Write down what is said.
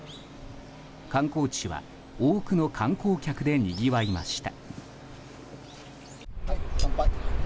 観光地は多くの観光客でにぎわいました。